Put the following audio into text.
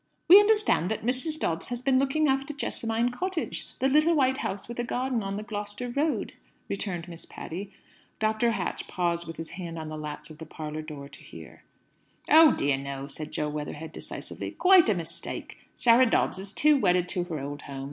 "We understand that Mrs. Dobbs has been looking after Jessamine Cottage; the little white house with a garden on the Gloucester Road," returned Miss Patty. Dr. Hatch paused with his hand on the latch of the parlour door to hear. "Oh dear no," said Jo Weatherhead decisively. "Quite a mistake. Sarah Dobbs is too wedded to her old home.